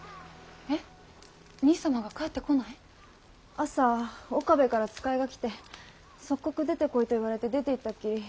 朝岡部から使いが来て即刻出てこいと言われて出ていったっきり